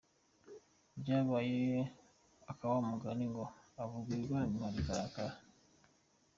Byabaye aka wa mugani ngo uvuga ibigoramye umuhoro ukarakara.